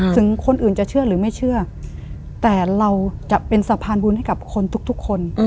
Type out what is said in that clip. ถึงคนอื่นจะเชื่อหรือไม่เชื่อแต่เราจะเป็นสะพานบุญให้กับคนทุกคน